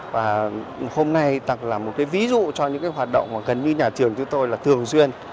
và hôm nay là một ví dụ cho những hoạt động gần như nhà trường tụi tôi là thường xuyên